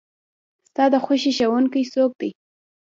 ستا د خوښې ښوونکي څوک دی؟